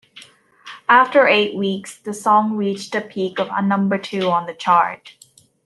After eight weeks, the song reached a peak of number two on the chart.